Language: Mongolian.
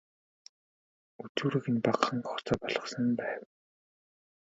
Үзүүрийг нь багахан гогцоо болгосон байв.